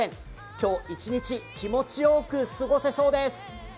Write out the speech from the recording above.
今日一日、気持ちよく過ごせそうです。